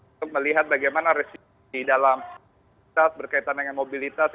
untuk melihat bagaimana resiko di dalam mobilitas berkaitan dengan mobilitas